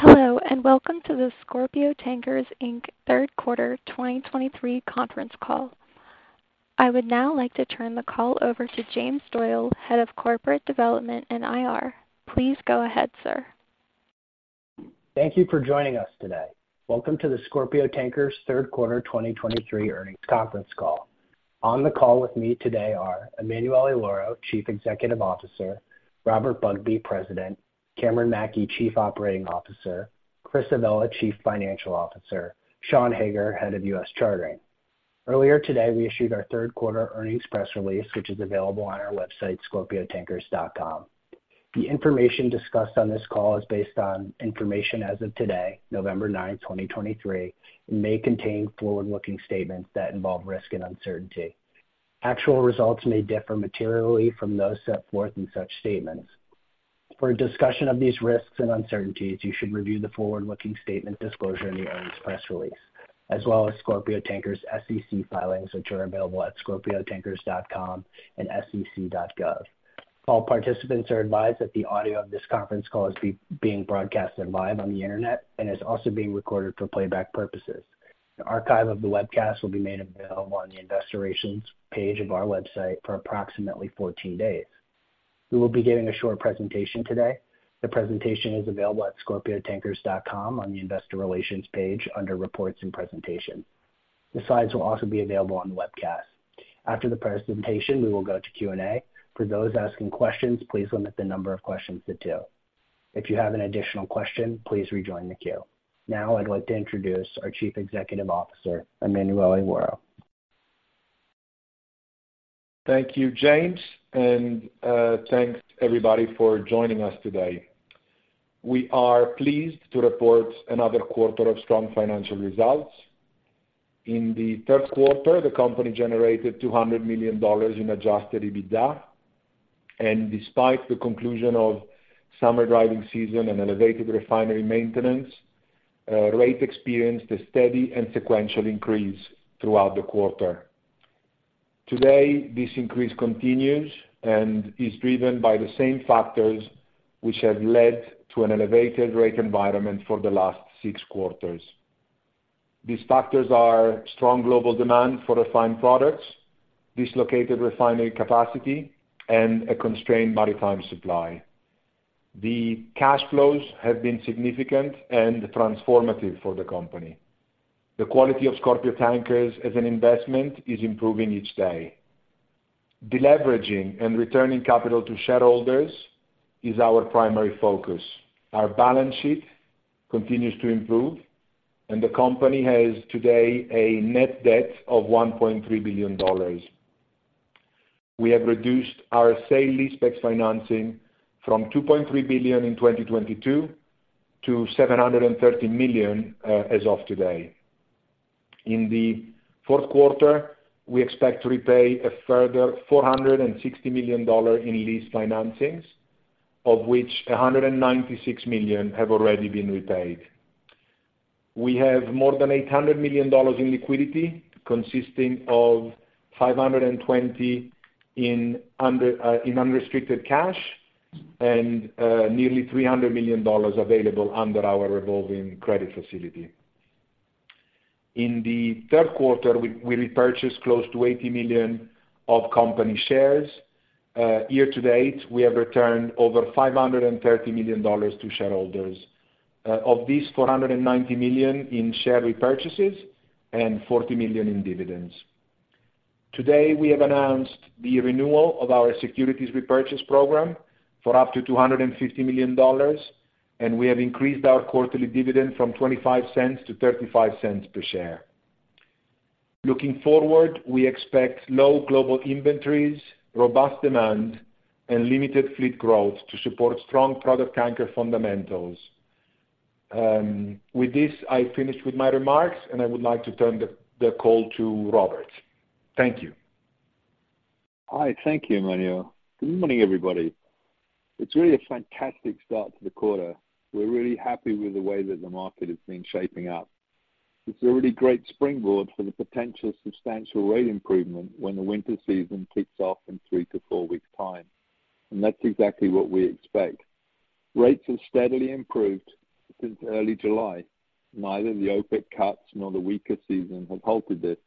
Hello, and welcome to the Scorpio Tankers Inc. third quarter 2023 conference call. I would now like to turn the call over to James Doyle, Head of Corporate Development and IR. Please go ahead, sir. Thank you for joining us today. Welcome to the Scorpio Tankers third quarter 2023 earnings conference call. On the call with me today are Emanuele Lauro, Chief Executive Officer; Robert Bugbee, President; Cameron Mackey, Chief Operating Officer; Chris Avella, Chief Financial Officer; Sean Hager, Head of U.S. Chartering. Earlier today, we issued our third quarter earnings press release, which is available on our website, scorpiotankers.com. The information discussed on this call is based on information as of today, November 9, 2023, and may contain forward-looking statements that involve risk and uncertainty. Actual results may differ materially from those set forth in such statements. For a discussion of these risks and uncertainties, you should review the forward-looking statement disclosure in the earnings press release, as well as Scorpio Tankers' SEC filings, which are available at scorpiotankers.com and sec.gov. All participants are advised that the audio of this conference call is being broadcast live on the Internet and is also being recorded for playback purposes. An archive of the webcast will be made available on the Investor Relations page of our website for approximately 14 days. We will be giving a short presentation today. The presentation is available at scorpiotankers.com on the Investor Relations page under Reports and Presentation. The slides will also be available on the webcast. After the presentation, we will go to Q&A. For those asking questions, please limit the number of questions to two. If you have an additional question, please rejoin the queue. Now, I'd like to introduce our Chief Executive Officer, Emanuele Lauro. Thank you, James, and thanks, everybody, for joining us today. We are pleased to report another quarter of strong financial results. In the third quarter, the company generated $200 million in Adjusted EBITDA, and despite the conclusion of summer driving season and elevated refinery maintenance, rate experienced a steady and sequential increase throughout the quarter. Today, this increase continues and is driven by the same factors which have led to an elevated rate environment for the last six quarters. These factors are strong global demand for refined products, dislocated refinery capacity, and a constrained maritime supply. The cash flows have been significant and transformative for the company. The quality of Scorpio Tankers as an investment is improving each day. Deleveraging and returning capital to shareholders is our primary focus. Our balance sheet continues to improve, and the company has today a net debt of $1.3 billion. We have reduced our sale-leaseback financing from $2.3 billion in 2022 to $730 million, as of today. In the fourth quarter, we expect to repay a further $460 million in lease financings, of which $196 million have already been repaid. We have more than $800 million in liquidity, consisting of $520 million in unrestricted cash and nearly $300 million available under our revolving credit facility. In the third quarter, we repurchased close to $80 million of company shares. Year to date, we have returned over $530 million to shareholders. Of these, $490 million in share repurchases and $40 million in dividends. Today, we have announced the renewal of our securities repurchase program for up to $250 million, and we have increased our quarterly dividend from $0.25 to $0.35 per share. Looking forward, we expect low global inventories, robust demand, and limited fleet growth to support strong product tanker fundamentals. With this, I finish with my remarks, and I would like to turn the call to Robert. Thank you. Hi. Thank you, Emanuele. Good morning, everybody. It's really a fantastic start to the quarter. We're really happy with the way that the market has been shaping up. It's a really great springboard for the potential substantial rate improvement when the winter season kicks off in three to four weeks' time, and that's exactly what we expect. Rates have steadily improved since early July. Neither the OPEC cuts nor the weaker season have halted this.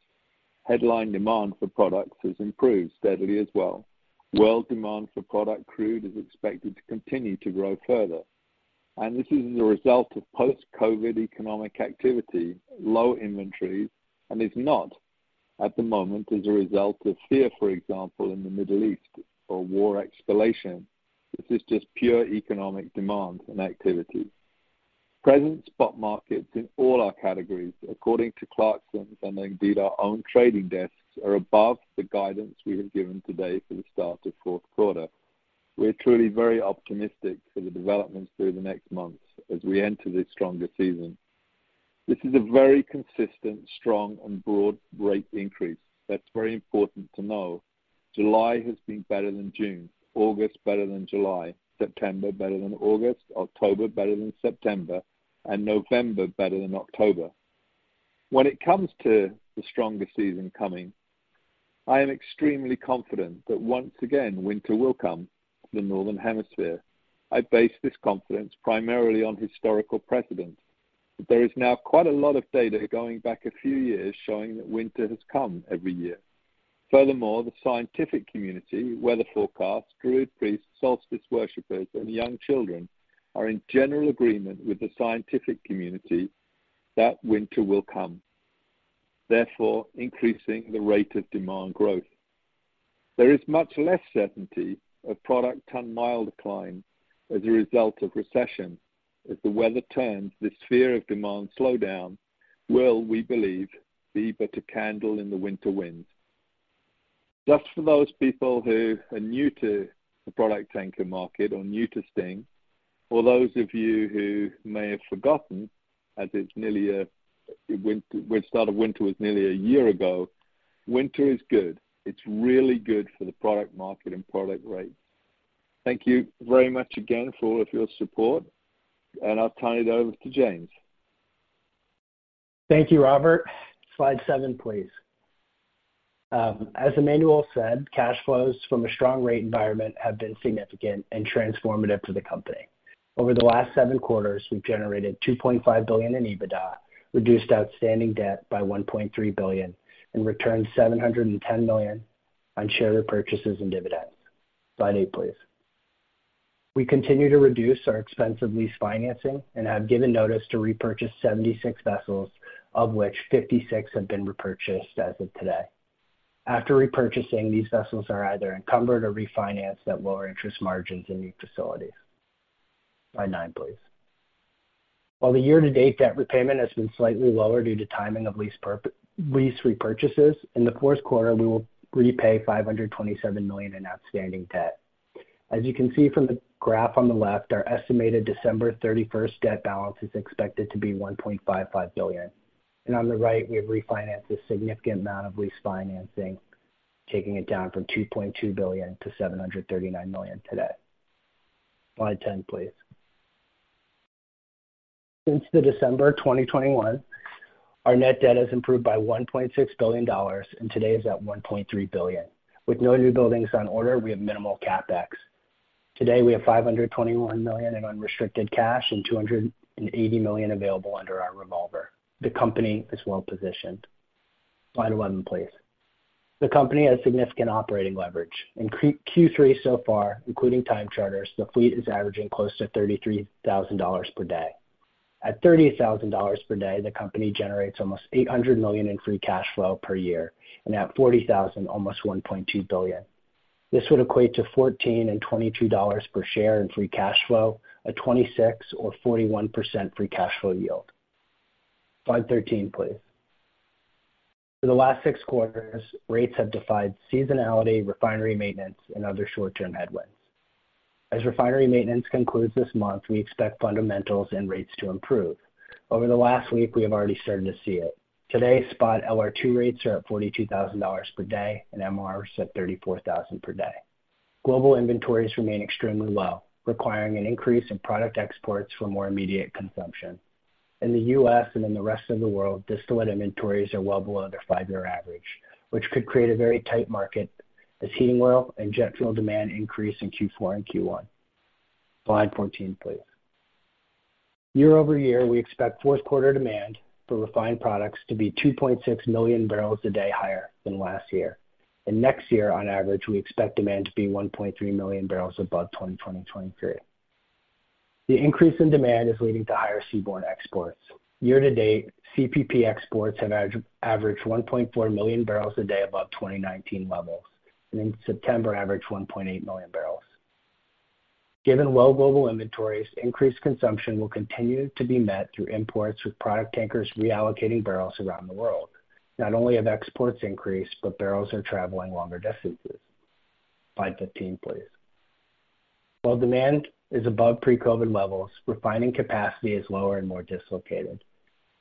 Headline demand for products has improved steadily as well. World demand for product crude is expected to continue to grow further, and this is a result of post-COVID economic activity, low inventories, and is not, at the moment, as a result of fear, for example, in the Middle East, or war escalation. This is just pure economic demand and activity. Present spot markets in all our categories, according to Clarksons and indeed our own trading desks, are above the guidance we have given today for the start of fourth quarter. We're truly very optimistic for the developments through the next months as we enter this stronger season. This is a very consistent, strong, and broad rate increase. That's very important to know. July has been better than June, August better than July, September better than August, October better than September, and November better than October. When it comes to the stronger season coming, I am extremely confident that once again, winter will come to the Northern Hemisphere. I base this confidence primarily on historical precedents, but there is now quite a lot of data going back a few years showing that winter has come every year. Furthermore, the scientific community, weather forecasts, Druid priests, solstice worshipers, and young children are in general agreement with the scientific community that winter will come, therefore increasing the rate of demand growth. There is much less certainty of product ton-mile decline as a result of recession. As the weather turns, this fear of demand slowdown will, we believe, be but a candle in the winter wind. Just for those people who are new to the product tanker market or new to STNG, or those of you who may have forgotten, as it's nearly a year ago when the start of winter was nearly a year ago, winter is good. It's really good for the product market and product rates. Thank you very much again for all of your support, and I'll turn it over to James. Thank you, Robert. Slide seven, please. As Emanuele said, cash flows from a strong rate environment have been significant and transformative to the company. Over the last seven quarters, we've generated $2.5 billion in EBITDA, reduced outstanding debt by $1.3 billion, and returned $710 million on share repurchases and dividends. Slide eight, please. We continue to reduce our expensive lease financing and have given notice to repurchase 76 vessels, of which 56 have been repurchased as of today. After repurchasing, these vessels are either encumbered or refinanced at lower interest margins in new facilities. Slide nine, please. While the year-to-date debt repayment has been slightly lower due to timing of lease repurchases, in the fourth quarter, we will repay $527 million in outstanding debt. As you can see from the graph on the left, our estimated December 31st debt balance is expected to be $1.55 billion. On the right, we have refinanced a significant amount of lease financing, taking it down from $2.2 billion to $739 million today. Slide 10, please. Since December 2021, our net debt has improved by $1.6 billion, and today is at $1.3 billion. With no newbuildings on order, we have minimal CapEx. Today, we have $521 million in unrestricted cash and $280 million available under our revolver. The company is well positioned. Slide 11, please. The company has significant operating leverage. In Q3 so far, including time charters, the fleet is averaging close to $33,000 per day. At $30,000 per day, the company generates almost $800 million in free cash flow per year, and at $40,000, almost $1.2 billion. This would equate to 14 and 22 dollars per share in free cash flow, a 26% or 41% free cash flow yield. Slide 13, please. For the last six quarters, rates have defied seasonality, refinery maintenance, and other short-term headwinds. As refinery maintenance concludes this month, we expect fundamentals and rates to improve. Over the last week, we have already started to see it. Today, spot LR2 rates are at $42,000 per day, and MRs at $34,000 per day. Global inventories remain extremely low, requiring an increase in product exports for more immediate consumption. In the U.S. and in the rest of the world, distillate inventories are well below their five-year average, which could create a very tight market as heating oil and jet fuel demand increase in Q4 and Q1. Slide 14, please. Year-over-year, we expect fourth quarter demand for refined products to be 2.6 million barrels a day higher than last year, and next year, on average, we expect demand to be 1.3 million barrels above 2023. The increase in demand is leading to higher seaborne exports. Year to date, CPP exports have averaged 1.4 million barrels a day above 2019 levels, and in September, averaged 1.8 million barrels. Given low global inventories, increased consumption will continue to be met through imports, with product tankers reallocating barrels around the world. Not only have exports increased, but barrels are traveling longer distances. Slide 15, please. While demand is above pre-COVID levels, refining capacity is lower and more dislocated.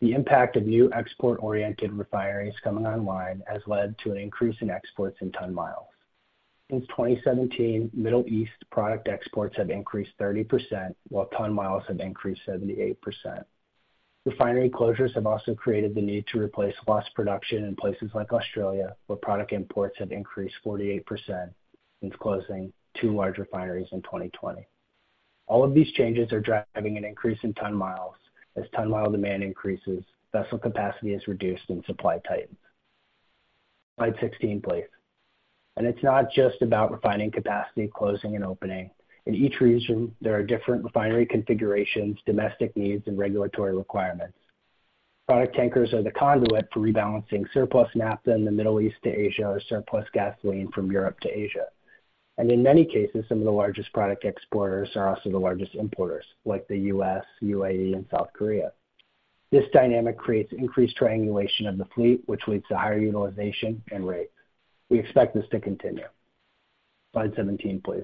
The impact of new export-oriented refineries coming online has led to an increase in exports and ton-miles. Since 2017, Middle East product exports have increased 30%, while ton-miles have increased 78%. Refinery closures have also created the need to replace lost production in places like Australia, where product imports have increased 48% since closing two large refineries in 2020. All of these changes are driving an increase in ton-miles. As ton-mile demand increases, vessel capacity is reduced and supply tightens. Slide 16, please. It's not just about refining capacity, closing and opening. In each region, there are different refinery configurations, domestic needs, and regulatory requirements. Product tankers are the conduit for rebalancing surplus naphtha in the Middle East to Asia or surplus gasoline from Europe to Asia. In many cases, some of the largest product exporters are also the largest importers, like the U.S., UAE, and South Korea. This dynamic creates increased triangulation of the fleet, which leads to higher utilization and rates. We expect this to continue. Slide 17, please.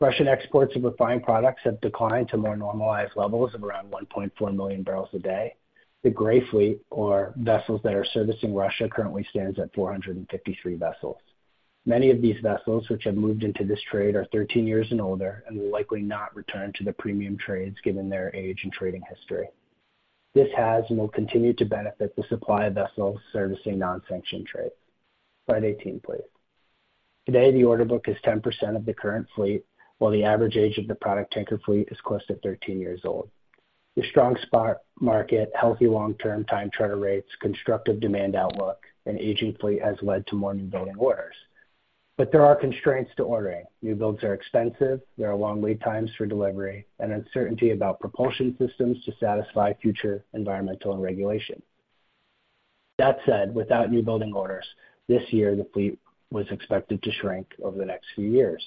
Russian exports of refined products have declined to more normalized levels of around 1.4 million barrels a day. The gray fleet, or vessels that are servicing Russia, currently stands at 453 vessels. Many of these vessels, which have moved into this trade, are 13 years and older and will likely not return to the premium trades given their age and trading history. This has and will continue to benefit the supply of vessels servicing non-sanctioned trade. Slide 18, please. Today, the order book is 10% of the current fleet, while the average age of the product tanker fleet is close to 13 years old. The strong spot market, healthy long-term time charter rates, constructive demand outlook, and aging fleet has led to more newbuilding orders. But there are constraints to ordering. Newbuilds are expensive, there are long lead times for delivery and uncertainty about propulsion systems to satisfy future environmental and regulation. That said, without newbuilding orders this year, the fleet was expected to shrink over the next few years.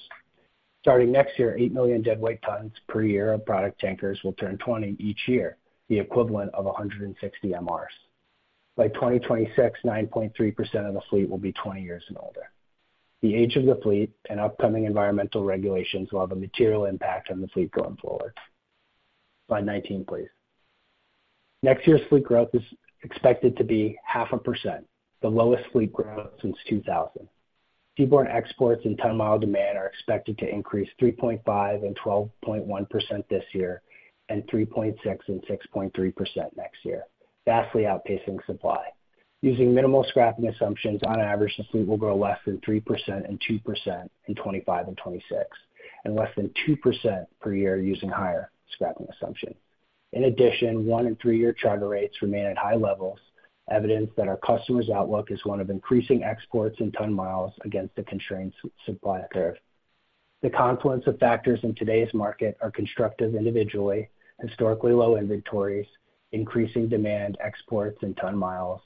Starting next year, 8 million deadweight tons per year of product tankers will turn 20 each year, the equivalent of 160 MRs. By 2026, 9.3% of the fleet will be 20 years and older. The age of the fleet and upcoming environmental regulations will have a material impact on the fleet going forward. Slide 19, please. Next year's fleet growth is expected to be 0.5%, the lowest fleet growth since 2000. Seaborne exports and ton-mile demand are expected to increase 3.5% and 12.1% this year, and 3.6% and 6.3% next year, vastly outpacing supply. Using minimal scrapping assumptions, on average, the fleet will grow less than 3% and 2% in 2025 and 2026, and less than 2% per year using higher scrapping assumption. In addition, one- and three-year charter rates remain at high levels, evidence that our customers' outlook is one of increasing exports and ton-miles against the constrained supply curve. The confluence of factors in today's market are constructive individually, historically low inventories, increasing demand, exports and ton-miles,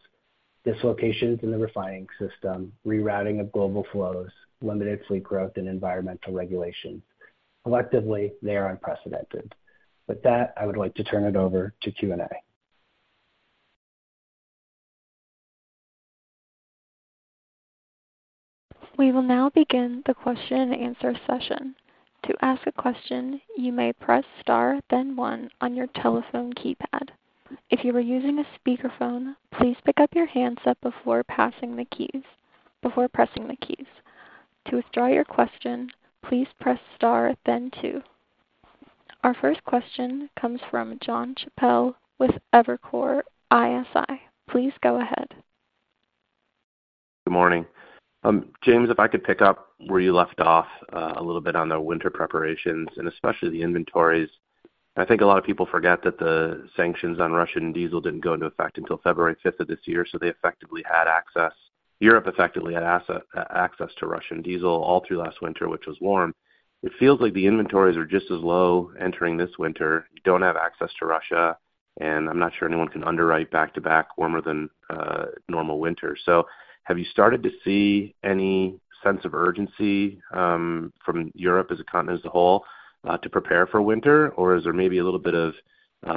dislocations in the refining system, rerouting of global flows, limited fleet growth and environmental regulation. Collectively, they are unprecedented. With that, I would like to turn it over to Q&A. We will now begin the question and answer session. To ask a question, you may press star, then one on your telephone keypad. If you are using a speakerphone, please pick up your handset before passing the keys. Before pressing the keys. To withdraw your question, please press star, then two. Our first question comes from Jon Chappell with Evercore ISI. Please go ahead. Good morning. James, if I could pick up where you left off, a little bit on the winter preparations and especially the inventories. I think a lot of people forget that the sanctions on Russian diesel didn't go into effect until February fifth of this year, so they effectively had access. Europe effectively had access to Russian diesel all through last winter, which was warm. It feels like the inventories are just as low entering this winter, don't have access to Russia, and I'm not sure anyone can underwrite back-to-back warmer than normal winter. So have you started to see any sense of urgency from Europe as a continent as a whole to prepare for winter? Or is there maybe a little bit of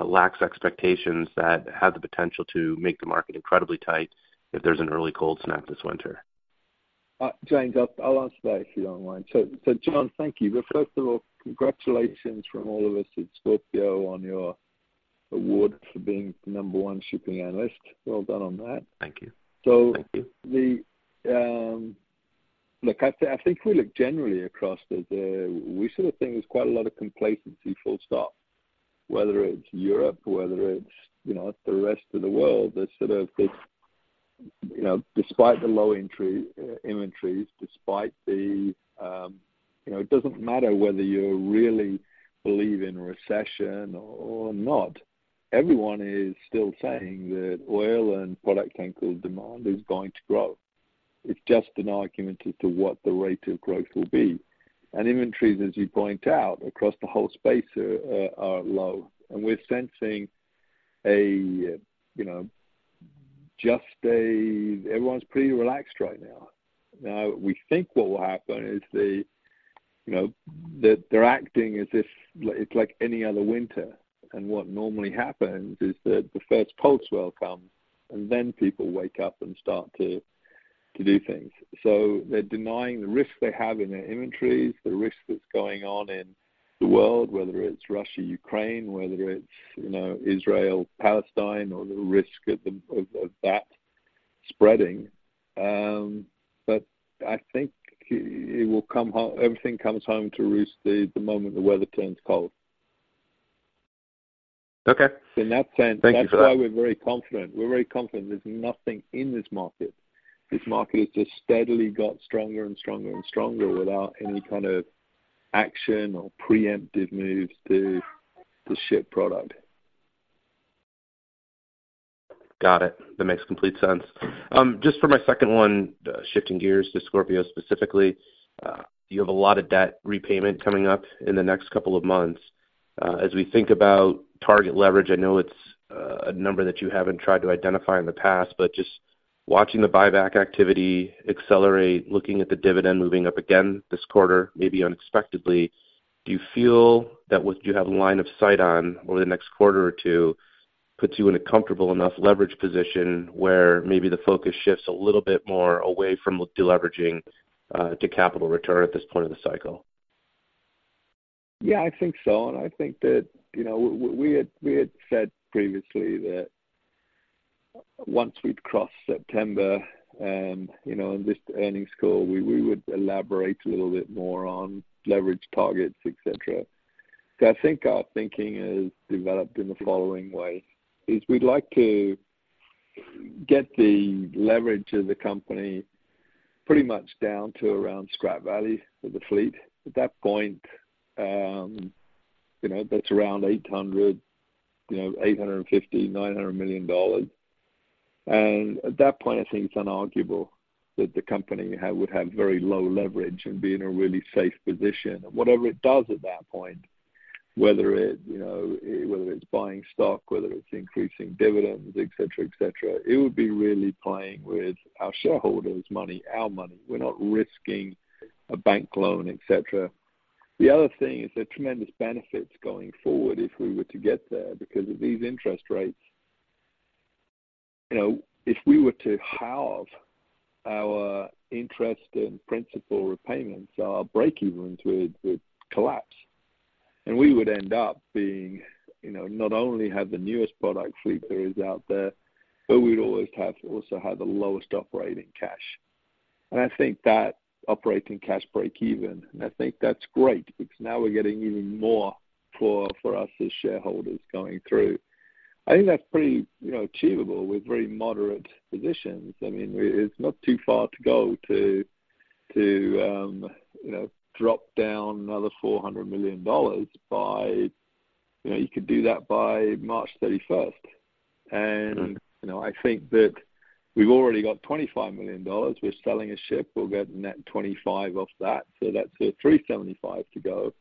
lax expectations that have the potential to make the market incredibly tight if there's an early cold snap this winter? James, I'll answer that if you don't mind. So, John, thank you. But first of all, congratulations from all of us at Scorpio on your award for being the number one shipping analyst. Well done on that. Thank you. So- Thank you. I think if we look generally across the, we sort of think there's quite a lot of complacency, full stop. Whether it's Europe, whether it's, you know, the rest of the world, there's sort of this, you know, despite the low entry inventories, despite the, you know, it doesn't matter whether you really believe in recession or, or not, everyone is still saying that oil and product tanker demand is going to grow. It's just an argument as to what the rate of growth will be. And inventories, as you point out, across the whole space are low. And we're sensing a, you know, just a everyone's pretty relaxed right now. Now, we think what will happen is the, you know, that they're acting as if it's like any other winter. What normally happens is that the first cold swell comes, and then people wake up and start to do things. So they're denying the risk they have in their inventories, the risk that's going on in the world, whether it's Russia, Ukraine, whether it's, you know, Israel, Palestine, or the risk of that spreading. But I think it will come. Everything comes home to roost the moment the weather turns cold. Okay. So in that sense- Thank you for that. That's why we're very confident. We're very confident there's nothing in this market. This market has just steadily got stronger and stronger and stronger without any kind of action or preemptive moves to ship product. Got it. That makes complete sense. Just for my second one, shifting gears to Scorpio specifically, you have a lot of debt repayment coming up in the next couple of months. As we think about target leverage, I know it's a number that you haven't tried to identify in the past, but just watching the buyback activity accelerate, looking at the dividend moving up again this quarter, maybe unexpectedly, do you feel that what you have line of sight on over the next quarter or two puts you in a comfortable enough leverage position where maybe the focus shifts a little bit more away from deleveraging to capital return at this point in the cycle? Yeah, I think so. And I think that, you know, we had, we had said previously that once we'd crossed September and, you know, in this earnings call, we, we would elaborate a little bit more on leverage targets, et cetera. So I think our thinking has developed in the following way, is we'd like to get the leverage of the company pretty much down to around scrap value of the fleet. At that point, you know, that's around $800, you know, $850 million-$900 million. And at that point, I think it's inarguable that the company have-- would have very low leverage and be in a really safe position. Whatever it does at that point, whether it, you know, whether it's buying stock, whether it's increasing dividends, et cetera, et cetera, it would be really playing with our shareholders' money, our money. We're not risking a bank loan, et cetera. The other thing is the tremendous benefits going forward if we were to get there, because at these interest rates, you know, if we were to halve our interest and principal repayments, our breakevens would, would collapse. And we would end up being, you know, not only have the newest product fleet there is out there, but we'd always have also have the lowest operating cash. And I think that operating cash breakeven, and I think that's great because now we're getting even more for, for us as shareholders going through. I think that's pretty, you know, achievable with very moderate positions. I mean, it's not too far to go to you know drop down another $400 million by March 31st. You know, you could do that by March 31st. And, you know, I think that we've already got $25 million. We're selling a ship. We'll get net $25 million off that, so that's a $375 million to go.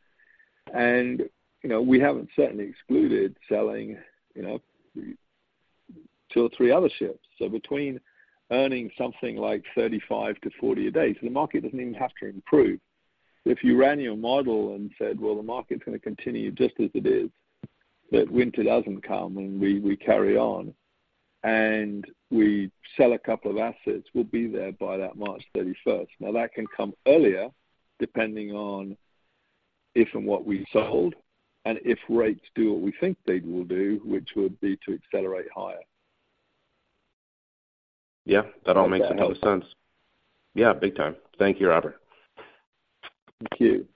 And, you know, we haven't certainly excluded selling, you know, two or three other ships. So between earning something like $35,000-$40,000 a day, so the market doesn't even have to improve. If you ran your model and said, well, the market's gonna continue just as it is, that winter doesn't come, and we carry on, and we sell a couple of assets, we'll be there by that March 31st. Now, that can come earlier, depending on if and what we sold and if rates do what we think they will do, which would be to accelerate higher. Yeah, that all makes a lot of sense. Yeah, big time. Thank you, Robert. Thank you.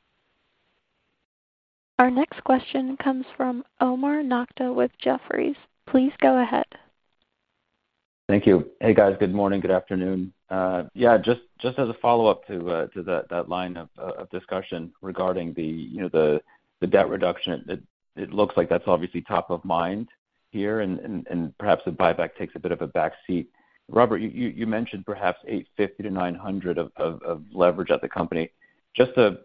Our next question comes from Omar Nokta with Jefferies. Please go ahead. Thank you. Hey, guys. Good morning, good afternoon. Yeah, just as a follow-up to that line of discussion regarding you know, the debt reduction. It looks like that's obviously top of mind here, and perhaps the buyback takes a bit of a backseat. Robert, you mentioned perhaps $850-$900 of leverage at the company. Just to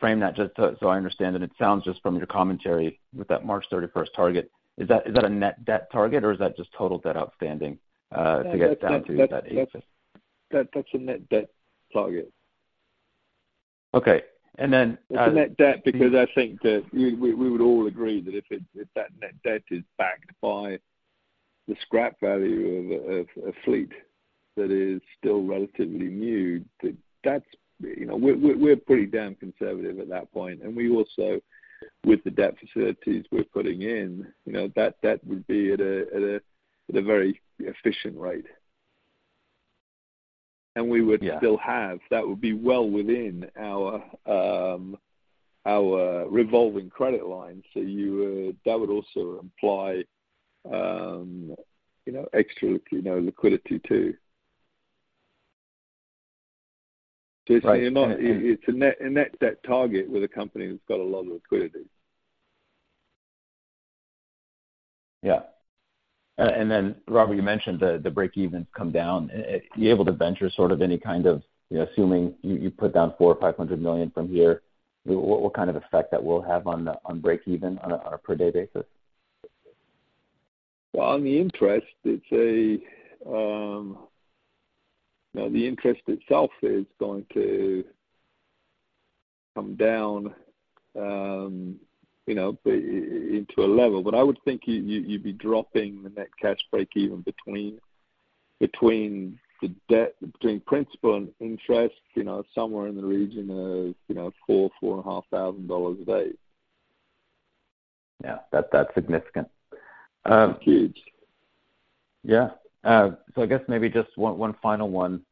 frame that, just so I understand, and it sounds just from your commentary with that March 31st target, is that a net debt target or is that just total debt outstanding to get down to that $850? That, that's a net debt target. Okay. And then, It's a net debt because I think that we would all agree that if that net debt is backed by the scrap value of a fleet that is still relatively new, that that's... You know, we're pretty damn conservative at that point. And we also, with the debt facilities we're putting in, you know, that would be at a very efficient rate. And we would- Yeah.... still have, that would be well within our, our revolving credit line. So you would—that would also imply, you know, extra, you know, liquidity, too. So you're not— It's a net debt target with a company that's got a lot of liquidity. Yeah. And then, Robert, you mentioned the breakevens come down. Are you able to venture sort of any kind of... You know, assuming you put down $400 million-$500 million from here, what kind of effect that will have on the breakeven on a per-day basis? Well, on the interest, it's a... You know, the interest itself is going to come down, you know, into a level. But I would think you'd be dropping the net cash breakeven between the debt, between principal and interest, you know, somewhere in the region of, you know, $4,000-$4,500 a day. Yeah, that, that's significant. Huge. Yeah. So I guess maybe just one final one.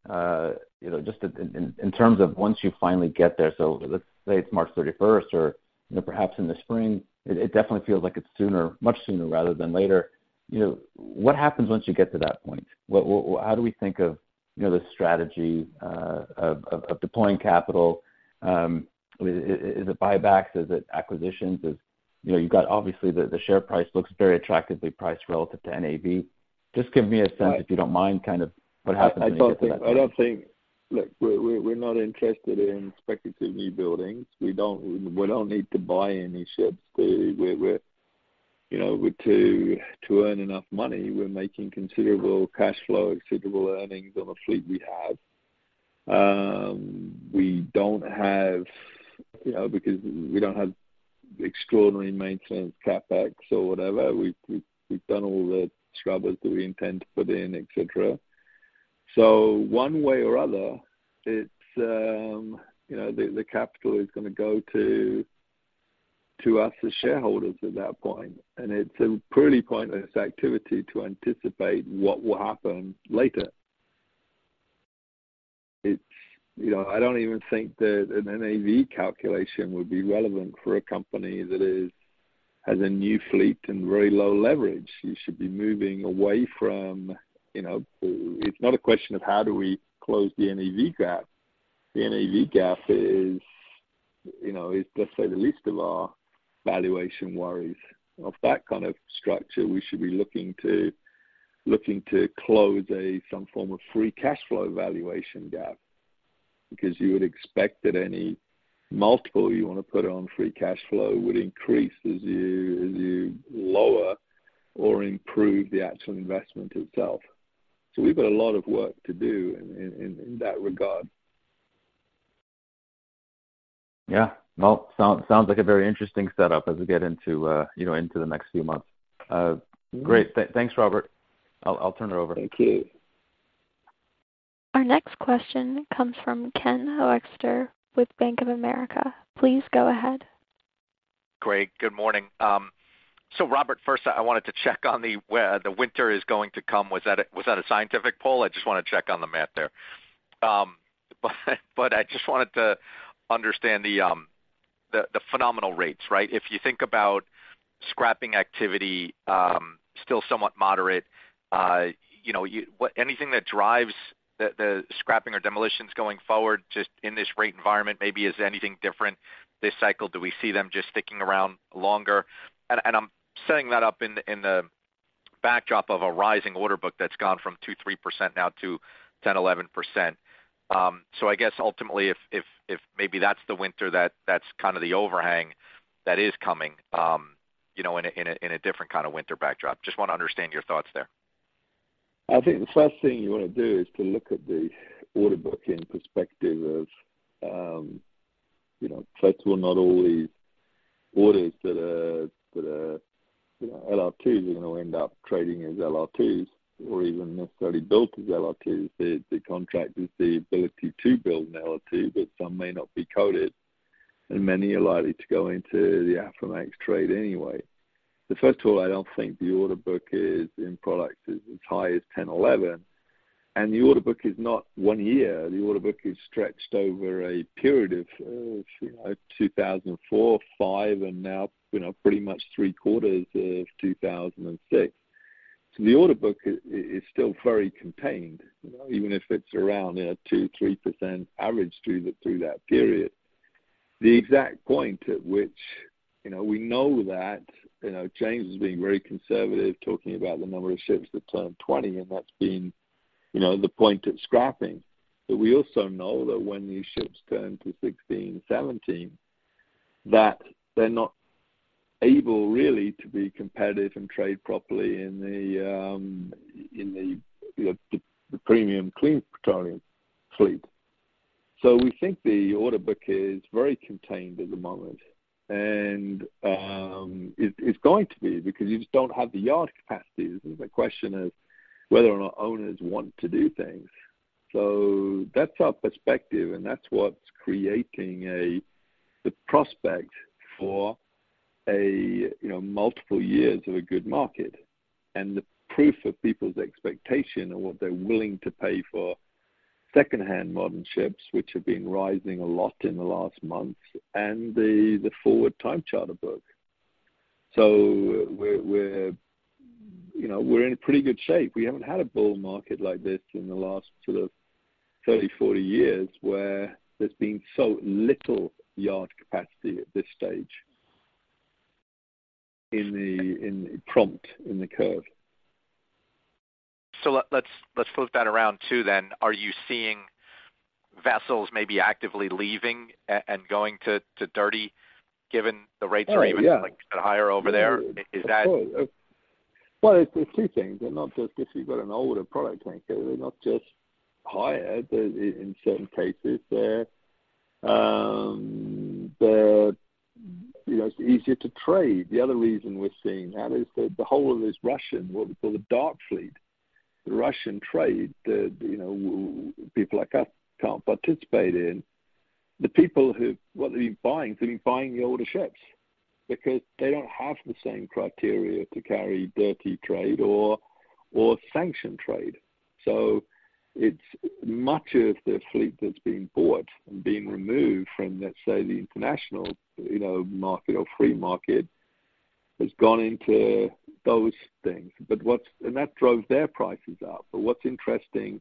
You know, just in terms of once you finally get there, so let's say it's March 31st or, you know, perhaps in the spring, it definitely feels like it's sooner, much sooner rather than later. You know, what happens once you get to that point? How do we think of, you know, the strategy of deploying capital? Is it buybacks? Is it acquisitions? Is... You know, you've got obviously the share price looks very attractively priced relative to NAV. Just give me a sense- Right.... if you don't mind, kind of what happens when you get to that point? I don't think... Look, we're not interested in speculative newbuildings. We don't need to buy any ships to earn enough money. We're making considerable cash flow, considerable earnings on the fleet we have. We don't have, you know, because we don't have extraordinary maintenance, CapEx or whatever, we've done all the scrubbers that we intend to put in, et cetera. So one way or other, it's, you know, the capital is going to go to us, as shareholders at that point, and it's a pretty pointless activity to anticipate what will happen later. It's— You know, I don't even think that an NAV calculation would be relevant for a company that is, has a new fleet and very low leverage. You should be moving away from, you know. It's not a question of how do we close the NAV gap. The NAV gap is, you know, let's say, the least of our valuation worries. Of that kind of structure, we should be looking to close some form of free cash flow valuation gap, because you would expect that any multiple you want to put on free cash flow would increase as you lower or improve the actual investment itself. So we've got a lot of work to do in that regard. Yeah. Well, sounds like a very interesting setup as we get into, you know, into the next few months. Great. Thanks, Robert. I'll turn it over. Thank you. Our next question comes from Ken Hoexter with Bank of America. Please go ahead. Great. Good morning. So, Robert, first I wanted to check on where the winter is going to come. Was that a scientific poll? I just want to check on the math there. But I just wanted to understand the phenomenal rates, right? If you think about scrapping activity, still somewhat moderate, you know, what anything that drives the scrapping or demolitions going forward, just in this rate environment, maybe is anything different this cycle? Do we see them just sticking around longer? And I'm setting that up in the backdrop of a rising order book that's gone from 2%-3% now to 10%-11%. So I guess ultimately, if maybe that's the winter, that's kind of the overhang that is coming, you know, in a different kind of winter backdrop. Just want to understand your thoughts there. I think the first thing you want to do is to look at the order book in perspective of, you know, first of all, not all these orders that are, you know, LR2 are going to end up trading as LR2 or even necessarily built as LR2. The contract is the ability to build an LR2, but some may not be coded, and many are likely to go into the Aframax trade anyway. But first of all, I don't think the order book is in products as high as 10, 11, and the order book is not one year. The order book is stretched over a period of, you know, 2004, 2005, and now, you know, pretty much three quarters of 2006. So the order book is still very contained, even if it's around a 2%-3% average through that period. The exact point at which, you know, we know that, you know, James is being very conservative, talking about the number of ships that turn 20, and that's been, you know, the point of scrapping. But we also know that when these ships turn to 16, 17, that they're not able really to be competitive and trade properly in the premium clean petroleum fleet. So we think the order book is very contained at the moment, and it's going to be, because you just don't have the yard capacity. The question is whether or not owners want to do things. So that's our perspective, and that's what's creating the prospect for, you know, multiple years of a good market and the proof of people's expectation of what they're willing to pay for secondhand modern ships, which have been rising a lot in the last months, and the forward time charter book. So we're, you know, we're in pretty good shape. We haven't had a bull market like this in the last sort of 30, 40 years, where there's been so little yard capacity at this stage in the prompt in the curve. So let's flip that around too then. Are you seeing vessels maybe actively leaving and going to dirty, given the rates are- Oh, yeah. Even higher over there? Is that- Well, there's two things. They're not just if you've got an older product tanker, they're not just higher, but in certain cases there, the... You know, it's easier to trade. The other reason we're seeing that is that the whole of this Russian, what we call the Dark Fleet, the Russian trade, that, you know, people like us can't participate in. The people who-- what they've been buying, they've been buying the older ships because they don't have the same criteria to carry dirty trade or sanction trade. So it's much of the fleet that's being bought and being removed from, let's say, the international, you know, market or free market, has gone into those things. But what's-- and that drove their prices up. But what's interesting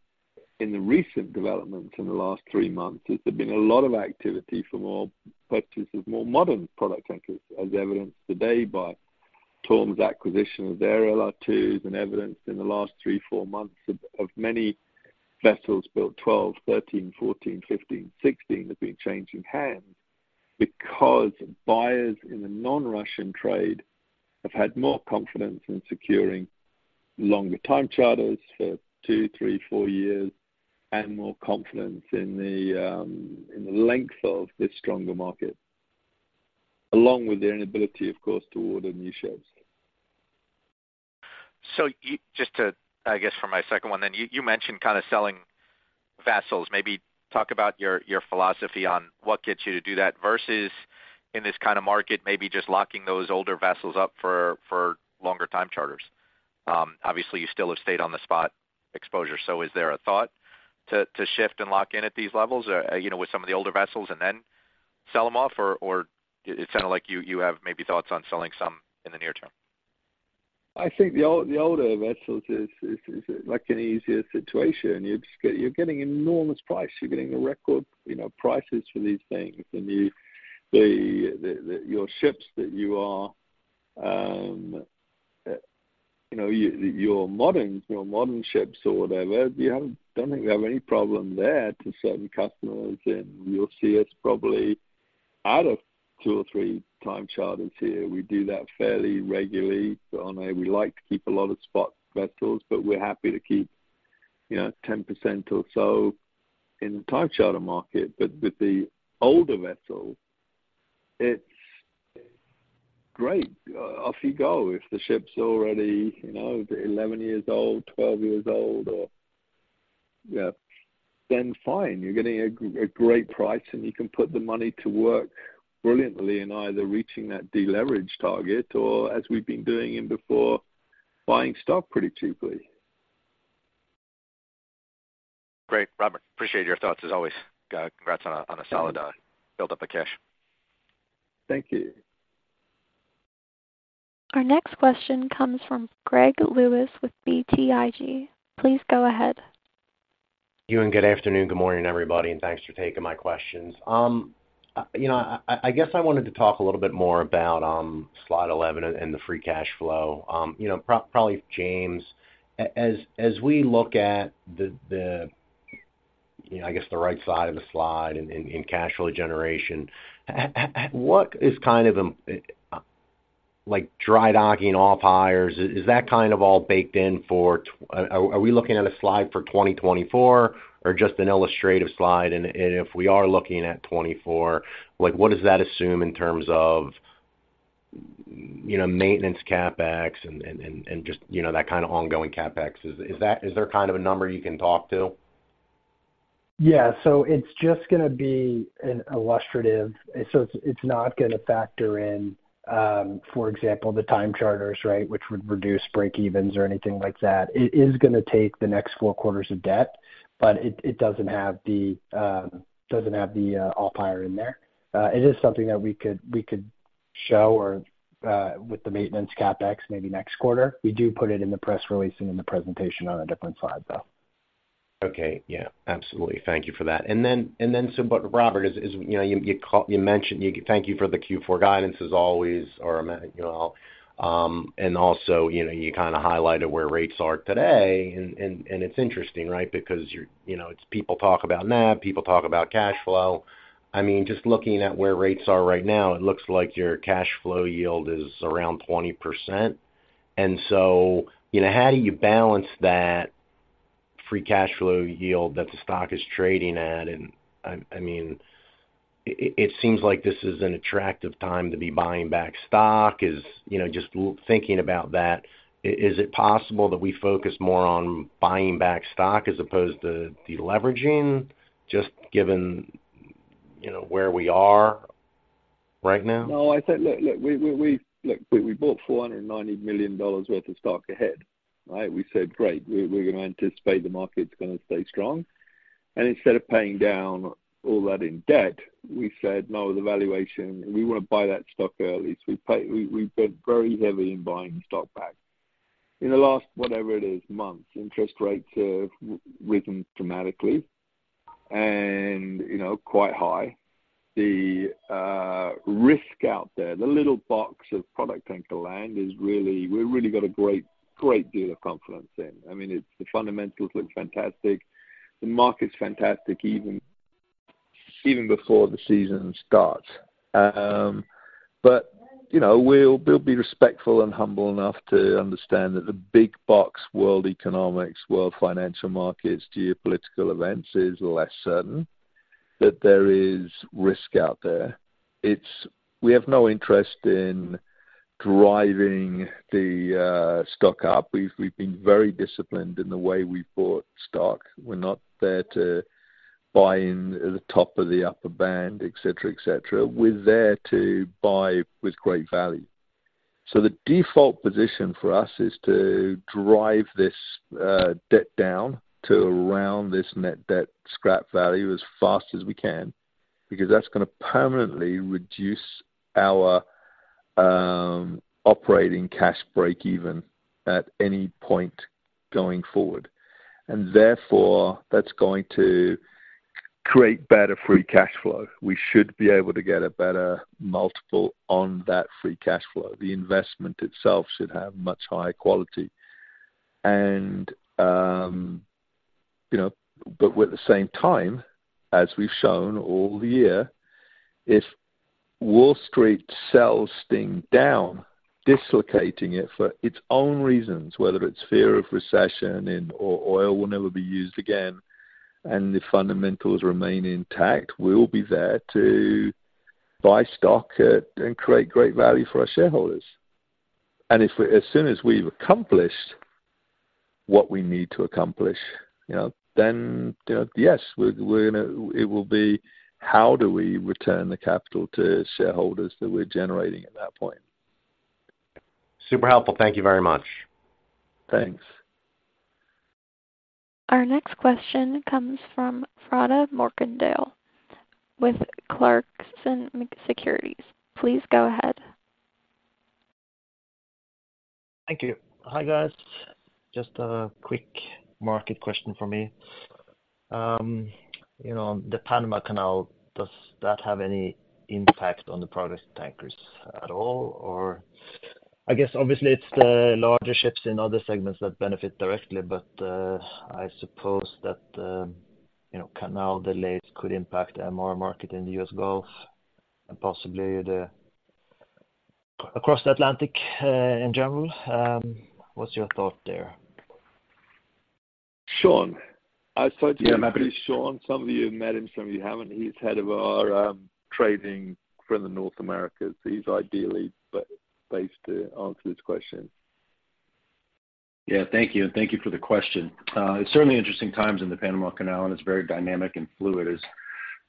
in the recent developments in the last three months is there's been a lot of activity for more purchases, more modern product tankers, as evidenced today by Torm's acquisition of their LR2 and evidenced in the last three, four months of many vessels built 12, 13, 14, 15, 16 have been changing hands because buyers in the non-Russian trade have had more confidence in securing longer time charters for two, three, four years and more confidence in the length of this stronger market, along with their inability, of course, to order new ships. So just to, I guess, for my second one, then, you mentioned kind of selling vessels. Maybe talk about your philosophy on what gets you to do that versus in this kind of market, maybe just locking those older vessels up for longer time charters. Obviously, you still have stayed on the spot exposure, so is there a thought to shift and lock in at these levels, you know, with some of the older vessels and then sell them off? Or it sounded like you have maybe thoughts on selling some in the near term. I think the older vessels is like an easier situation. You're just getting an enormous price. You're getting a record, you know, prices for these things, and your ships that you are, you know, your modern ships or whatever, don't think we have any problem there to certain customers, and you'll see us probably out of two or three time charters here. We do that fairly regularly. We like to keep a lot of spot vessels, but we're happy to keep, you know, 10% or so in the time charter market. But with the older vessels, it's great. Off you go. If the ship's already, you know, 11 years old, 12 years old, or, yeah, then fine, you're getting a great price, and you can put the money to work brilliantly in either reaching that deleverage target or, as we've been doing in before, buying stock pretty cheaply. Great, Robert. Appreciate your thoughts, as always. Congrats on a solid build up of cash. Thank you. Our next question comes from Greg Lewis with BTIG. Please go ahead. Good afternoon, good morning, everybody, and thanks for taking my questions. You know, I guess I wanted to talk a little bit more about slide 11 and the free cash flow. You know, probably James, as we look at the, you know, I guess, the right side of the slide in cash flow generation, what is kind of, like, dry docking off-hires, is that kind of all baked in for... Are we looking at a slide for 2024 or just an illustrative slide? And if we are looking at 2024, like, what does that assume in terms of, you know, maintenance CapEx and, and, and, and just, you know, that kind of ongoing CapEx? Is there kind of a number you can talk to? Yeah. So it's just gonna be an illustrative... So it's not gonna factor in, for example, the time charters, right? Which would reduce breakevens or anything like that. It is gonna take the next four quarters of debt, but it doesn't have the off-hire in there. It is something that we could show or with the maintenance CapEx, maybe next quarter. We do put it in the press release and in the presentation on a different slide, though. Okay, yeah, absolutely. Thank you for that. And then so but Robert, is you know, you mentioned. Thank you for the Q4 guidance, as always, or, you know, and also, you know, you kinda highlighted where rates are today. And it's interesting, right? Because you're. You know, it's people talk about NAV, people talk about cash flow. I mean, just looking at where rates are right now, it looks like your cash flow yield is around 20%. And so, you know, how do you balance that free cash flow yield that the stock is trading at? And I mean, it seems like this is an attractive time to be buying back stock. Is. You know, just thinking about that, is it possible that we focus more on buying back stock as opposed to deleveraging, just given, you know, where we are right now? No, I said, look, look, we... Look, we bought $490 million worth of stock ahead, right? We said, "Great, we're gonna anticipate the market's gonna stay strong." And instead of paying down all that in debt, we said, "No, the valuation, we want to buy that stock early." So we've been very heavy in buying stock back. In the last, whatever it is, months, interest rates have risen dramatically and, you know, quite high. The risk out there, the little box of product tanker land is really... We've really got a great, great deal of confidence in. I mean, it's the fundamentals look fantastic. The market's fantastic, even before the season starts. But, you know, we'll, we'll be respectful and humble enough to understand that the big box world economics, world financial markets, geopolitical events is less certain, that there is risk out there. It's- we have no interest in driving the stock up. We've, we've been very disciplined in the way we bought stock. We're not there to buy in the top of the upper band, et cetera, et cetera. We're there to buy with great value. So the default position for us is to drive this debt down to around this net debt scrap value as fast as we can, because that's gonna permanently reduce our operating cash breakeven at any point going forward. And therefore, that's going to create better free cash flow. We should be able to get a better multiple on that free cash flow. The investment itself should have much higher quality. And, you know, but at the same time, as we've shown all the year, if Wall Street sells this thing down, dislocating it for its own reasons, whether it's fear of recession and or oil will never be used again, and the fundamentals remain intact, we'll be there to buy stock at, and create great value for our shareholders. And if we—as soon as we've accomplished what we need to accomplish, you know, then, you know, yes, we're, we're gonna—it will be, how do we return the capital to shareholders that we're generating at that point? Super helpful. Thank you very much. Thanks. Our next question comes from Frode Mørkedal with Clarkson Securities. Please go ahead. Thank you. Hi, guys. Just a quick market question for me. You know, the Panama Canal, does that have any impact on the product tankers at all? Or I guess obviously, it's the larger ships in other segments that benefit directly, but, I suppose that, you know, canal delays could impact the MR market in the U.S. Gulf and possibly the across the Atlantic, in general. What's your thought there? Sean, I spoke to you- Yeah. Sean, some of you have met him, some of you haven't. He's head of our trading for the North Americas. He's ideally based to answer this question. Yeah, thank you, and thank you for the question. It's certainly interesting times in the Panama Canal, and it's very dynamic and fluid as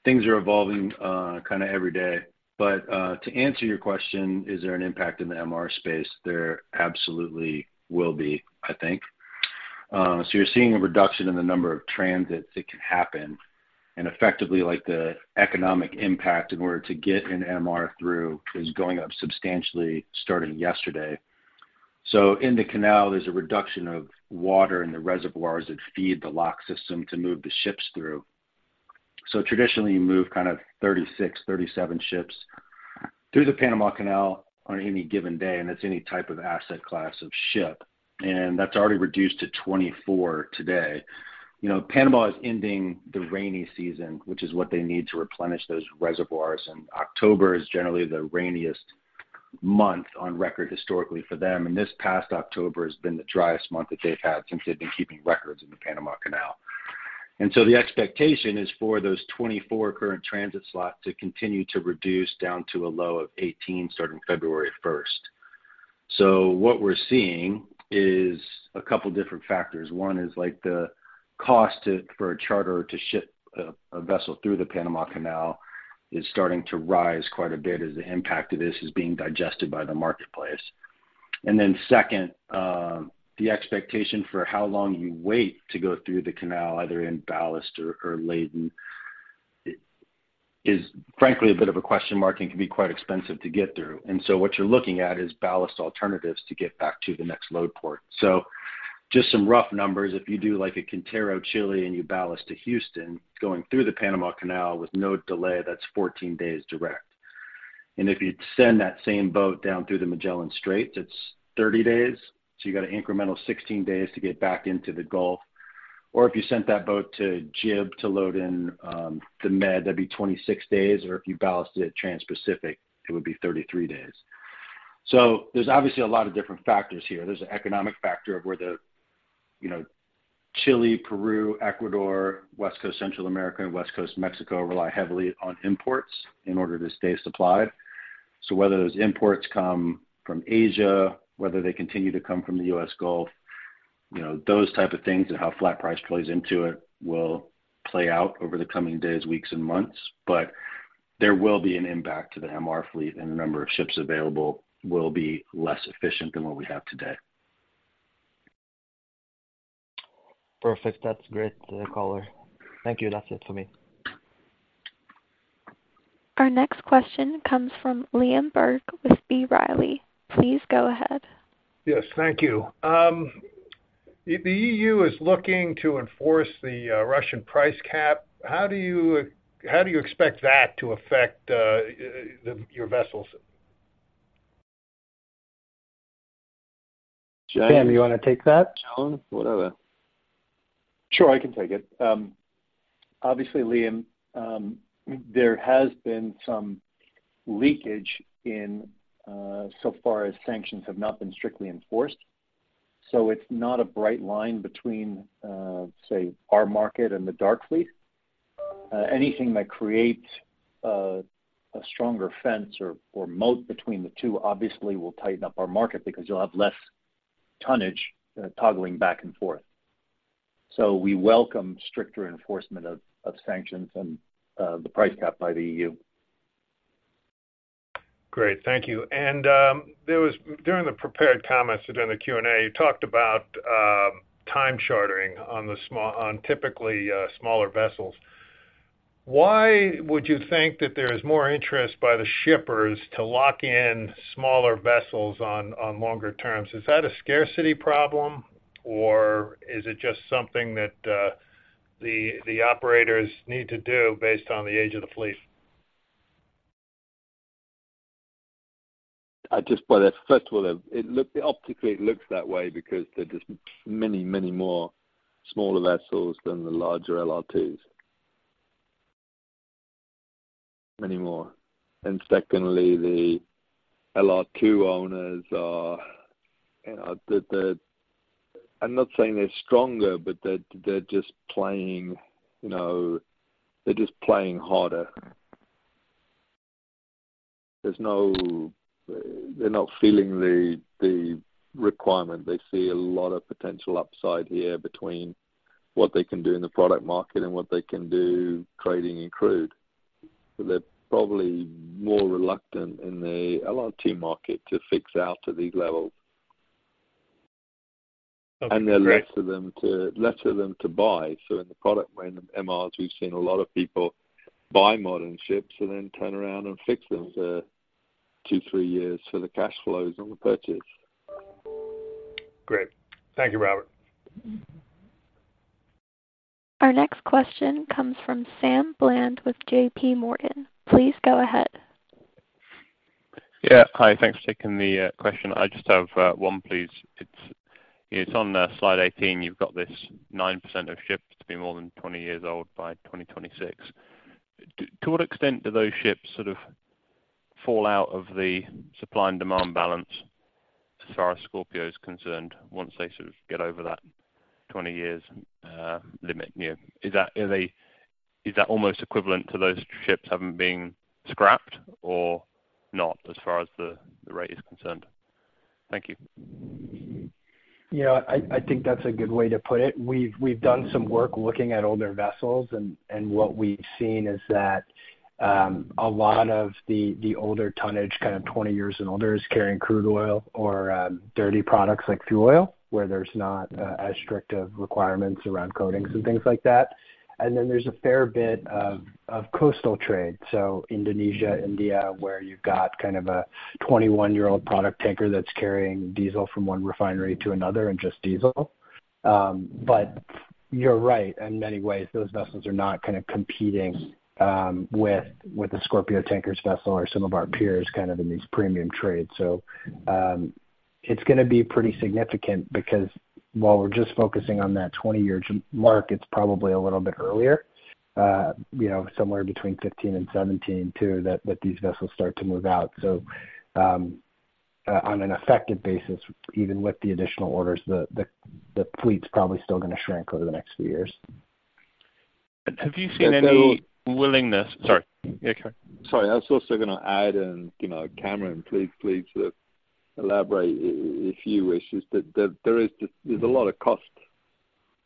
things are evolving, kind of every day. But, to answer your question, is there an impact in the MR space? There absolutely will be, I think. So you're seeing a reduction in the number of transits that can happen, and effectively, like, the economic impact in order to get an MR through is going up substantially starting yesterday. So in the canal, there's a reduction of water in the reservoirs that feed the lock system to move the ships through. So traditionally, you move kind of 36, 37 ships through the Panama Canal on any given day, and that's any type of asset class of ship, and that's already reduced to 24 today. You know, Panama is ending the rainy season, which is what they need to replenish those reservoirs, and October is generally the rainiest month on record historically for them. This past October has been the driest month that they've had since they've been keeping records in the Panama Canal. So the expectation is for those 24 current transit slots to continue to reduce down to a low of 18, starting February first. So what we're seeing is a couple different factors. One is like the cost to, for a charter to ship a vessel through the Panama Canal is starting to rise quite a bit as the impact of this is being digested by the marketplace. And then second, the expectation for how long you wait to go through the canal, either in ballast or laden, it is frankly a bit of a question mark and can be quite expensive to get through. So what you're looking at is ballast alternatives to get back to the next load port. Just some rough numbers. If you do like a Quintero, Chile, and you ballast to Houston, going through the Panama Canal with no delay, that's 14 days direct. And if you send that same boat down through the Magellan Strait, it's 30 days, so you got an incremental 16 days to get back into the Gulf. Or if you sent that boat to Gib to load in the Med, that'd be 26 days, or if you ballasted it transpacific, it would be 33 days. So there's obviously a lot of different factors here. There's an economic factor of where the, you know, Chile, Peru, Ecuador, West Coast Central America, and West Coast Mexico rely heavily on imports in order to stay supplied. So whether those imports come from Asia, whether they continue to come from the U.S. Gulf, you know, those type of things and how flat price plays into it, will play out over the coming days, weeks and months. But there will be an impact to the MR fleet, and the number of ships available will be less efficient than what we have today. Perfect. That's great, color. Thank you. That's it for me. Our next question comes from Liam Burke with B. Riley. Please go ahead. Yes, thank you. The E.U. is looking to enforce the Russian Price Cap. How do you expect that to affect your vessels? Sean, you want to take that? John? Whatever. Sure, I can take it. Obviously, Liam, there has been some leakage in, so far as sanctions have not been strictly enforced, so it's not a bright line between, say, our market and the dark fleet. Anything that creates a stronger fence or, or moat between the two obviously will tighten up our market because you'll have less tonnage, toggling back and forth. So we welcome stricter enforcement of sanctions and, the price cap by the E.U. Great. Thank you. And there was, during the prepared comments and during the Q&A, you talked about time chartering on the small, on typically smaller vessels. Why would you think that there is more interest by the shippers to lock in smaller vessels on longer terms? Is that a scarcity problem, or is it just something that the operators need to do based on the age of the fleet? First of all, optically it looks that way because there are just many, many more smaller vessels than the larger LR2s... many more. And secondly, the LR2 owners are, you know, the- I'm not saying they're stronger, but they're, they're just playing, you know, they're just playing harder. They're not feeling the requirement. They see a lot of potential upside here between what they can do in the product market and what they can do trading in crude. But they're probably more reluctant in the LR2 market to fix out at these levels. And there are less of them to buy. So in the product, when MRs, we've seen a lot of people buy modern ships and then turn around and fix them to 2-3 years for the cash flows on the purchase. Great. Thank you, Robert. Our next question comes from Sam Bland with J.P. Morgan. Please go ahead. Yeah. Hi, thanks for taking the question. I just have one, please. It's on slide 18, you've got this 9% of ships to be more than 20 years old by 2026. To what extent do those ships sort of fall out of the supply and demand balance as far as Scorpio is concerned, once they sort of get over that 20 years limit year? Is that almost equivalent to those ships having been scrapped or not, as far as the rate is concerned? Thank you. Yeah, I think that's a good way to put it. We've done some work looking at older vessels, and what we've seen is that a lot of the older tonnage, kind of 20 years and older, is carrying crude oil or dirty products like fuel oil, where there's not as strict of requirements around coatings and things like that. And then there's a fair bit of coastal trade, so Indonesia, India, where you've got kind of a 21-year-old product tanker that's carrying diesel from one refinery to another, and just diesel. But you're right, in many ways, those vessels are not kind of competing with the Scorpio Tankers vessel or some of our peers kind of in these premium trades. So, it's gonna be pretty significant because while we're just focusing on that 20-year mark, it's probably a little bit earlier, you know, somewhere between 15 and 17, too, that these vessels start to move out. So, on an effective basis, even with the additional orders, the fleet's probably still gonna shrink over the next few years. Have you seen any willingness... Sorry. Yeah, go ahead. Sorry, I was also gonna add, and, you know, Cameron, please, please, elaborate if you wish, is that there is just, there's a lot of cost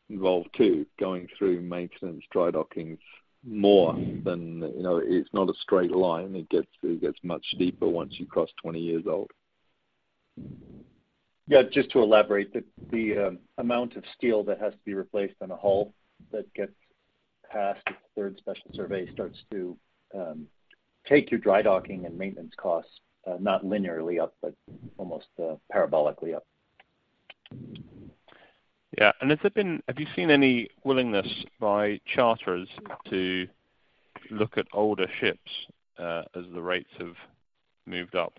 involved, too, going through maintenance, dry dockings, more than... You know, it's not a straight line. It gets much steeper once you cross 20 years old. Yeah, just to elaborate, the amount of steel that has to be replaced on a hull that gets past its third Special Survey starts to take your dry docking and maintenance costs not linearly up, but almost parabolically up. Yeah. Have you seen any willingness by charters to look at older ships, as the rates have moved up,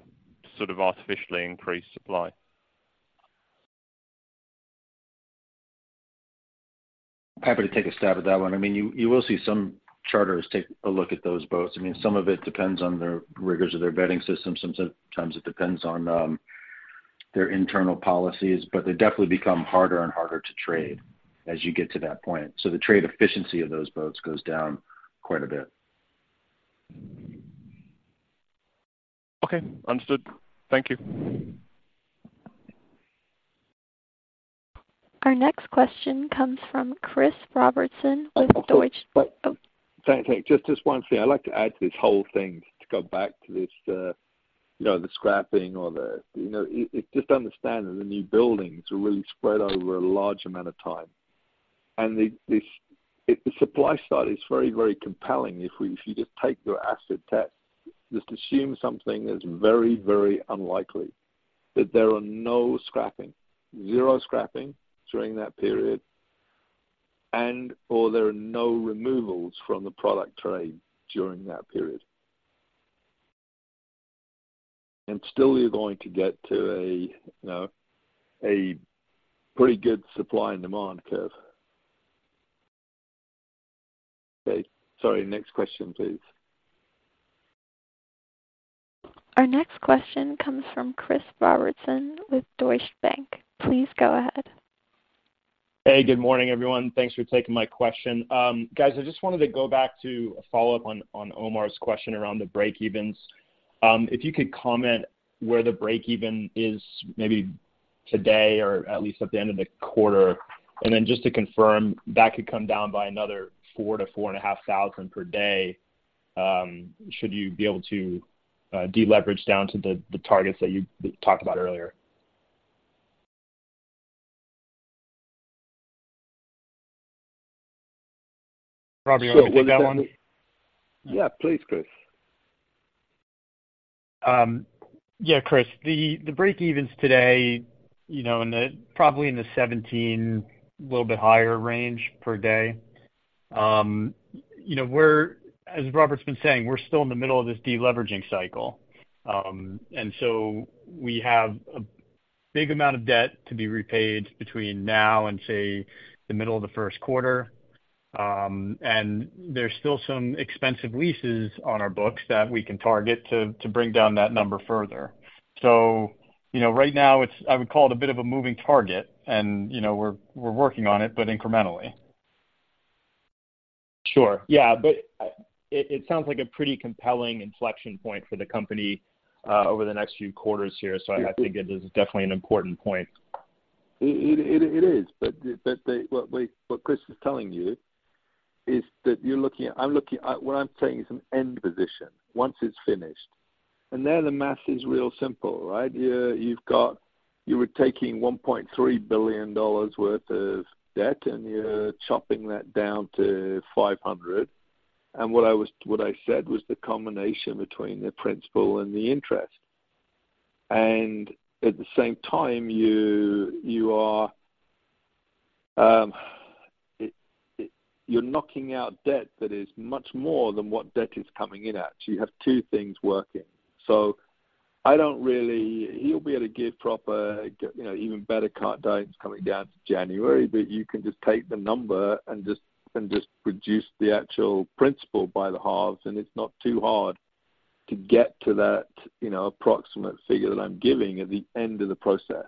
sort of artificially increased supply? Happy to take a stab at that one. I mean, you, you will see some charters take a look at those boats. I mean, some of it depends on the rigors of their vetting system. Sometimes it depends on, their internal policies, but they definitely become harder and harder to trade as you get to that point. So the trade efficiency of those boats goes down quite a bit. Okay. Understood. Thank you. Our next question comes from Chris Robertson with Deutsche- Oh, sorry, just one thing. I'd like to add to this whole thing, to go back to this, you know, the scrapping or the... You know, just understand that the newbuildings are really spread over a large amount of time. And this, the supply side is very, very compelling. If we, if you just take your acid test, just assume something that's very, very unlikely, that there are no scrapping, zero scrapping during that period, and/or there are no removals from the product trade during that period. And still, you're going to get to a pretty good supply and demand curve. Okay, sorry. Next question, please. Our next question comes from Chris Robertson with Deutsche Bank. Please go ahead. Hey, good morning, everyone. Thanks for taking my question. Guys, I just wanted to go back to a follow-up on Omar's question around the breakevens. If you could comment where the breakeven is, maybe today or at least at the end of the quarter. And then just to confirm, that could come down by another $4,000-$4,500 per day, should you be able to deleverage down to the targets that you talked about earlier? Robert, do you want to take that one? Yeah, please, Chris. Yeah, Chris, the breakevens today, you know, probably in the $17, a little bit higher range per day. You know, we're, as Robert's been saying, we're still in the middle of this deleveraging cycle. And so we have, big amount of debt to be repaid between now and, say, the middle of the first quarter. And there's still some expensive leases on our books that we can target to bring down that number further. So, you know, right now it's a bit of a moving target, and, you know, we're working on it, but incrementally. Sure. Yeah, but it sounds like a pretty compelling inflection point for the company over the next few quarters here. So I think it is definitely an important point. It is. But what Chris is telling you is that you're looking at... What I'm saying is an end position, once it's finished. And there, the math is real simple, right? You've got—you were taking $1.3 billion worth of debt, and you're chopping that down to $500 million. And what I was—what I said was the combination between the principal and the interest. And at the same time, you're knocking out debt that is much more than what debt is coming in at. So you have two things working. So I don't really... He'll be able to give proper, you know, even better cut dates coming down to January. But you can just take the number and just reduce the actual principal by the halves, and it's not too hard to get to that, you know, approximate figure that I'm giving at the end of the process.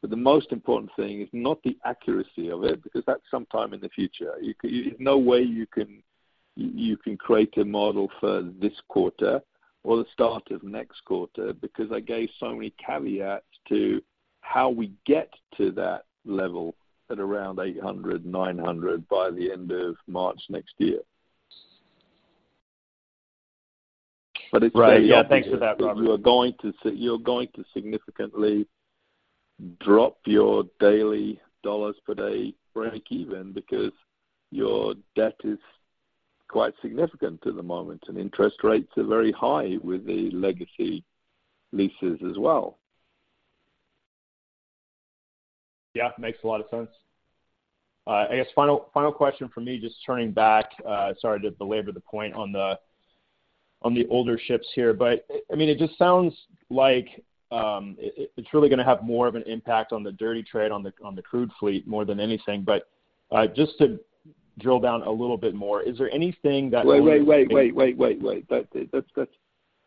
But the most important thing is not the accuracy of it, because that's sometime in the future. There's no way you can create a model for this quarter or the start of next quarter, because I gave so many caveats to how we get to that level at around 800, 900 by the end of March next year. Right. Yeah, thanks for that, Robert. You're going to significantly drop your daily dollars per day breakeven because your debt is quite significant at the moment, and interest rates are very high with the legacy leases as well. Yeah, makes a lot of sense. I guess final, final question for me, just turning back, sorry, to belabor the point on the, on the older ships here. But, I mean, it just sounds like, it, it's really gonna have more of an impact on the dirty trade, on the, on the crude fleet more than anything. But, just to drill down a little bit more, is there anything that- Wait, wait, wait, wait, wait, wait, wait. That's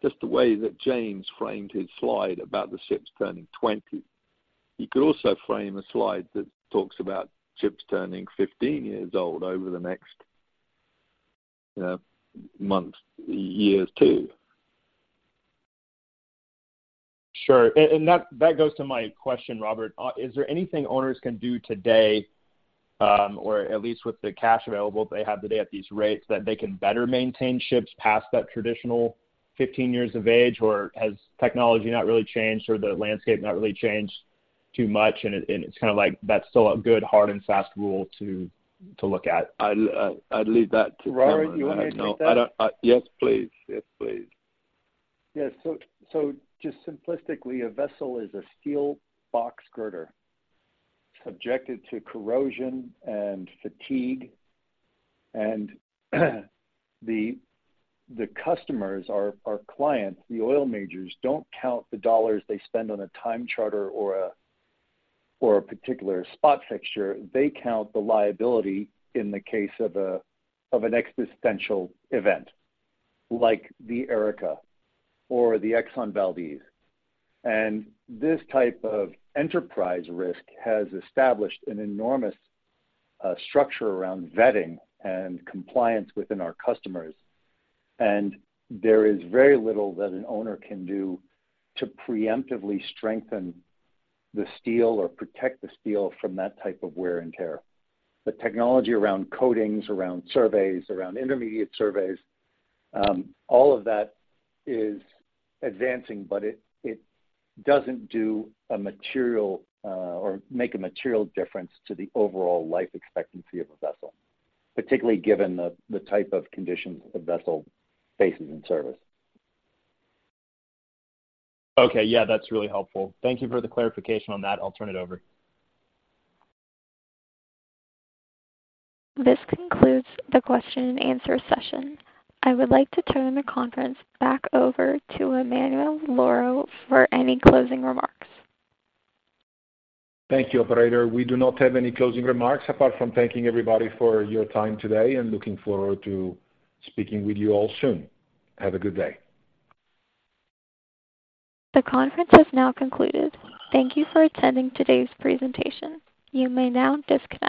just the way that James framed his slide about the ships turning 20. He could also frame a slide that talks about ships turning 15 years old over the next months, years too. Sure. And that goes to my question, Robert. Is there anything owners can do today, or at least with the cash available they have today at these rates, that they can better maintain ships past that traditional 15 years of age? Or has technology not really changed or the landscape not really changed too much, and it's kind of like that's still a good, hard, and fast rule to look at? I'd leave that to- Robert, you want to take that? Yes, please. Yes, please. Yes. So, so just simplistically, a vessel is a steel box girder, subjected to corrosion and fatigue. And, the, the customers, our, our clients, the oil majors, don't count the dollars they spend on a time charter or a, or a particular spot fixture. They count the liability in the case of a, of an existential event, like the Erika or the Exxon Valdez. And this type of enterprise risk has established an enormous structure around vetting and compliance within our customers, and there is very little that an owner can do to preemptively strengthen the steel or protect the steel from that type of wear and tear. The technology around coatings, around surveys, around intermediate surveys, all of that is advancing, but it doesn't do a material or make a material difference to the overall life expectancy of a vessel, particularly given the type of conditions a vessel faces in service. Okay. Yeah, that's really helpful. Thank you for the clarification on that. I'll turn it over. This concludes the question and answer session. I would like to turn the conference back over to Emanuele Lauro for any closing remarks. Thank you, operator. We do not have any closing remarks, apart from thanking everybody for your time today, and looking forward to speaking with you all soon. Have a good day. The conference has now concluded. Thank you for attending today's presentation. You may now disconnect.